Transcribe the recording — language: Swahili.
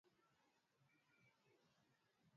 Wanajamuhuri walitumia muda wao mwingi waliopewa kuzungumza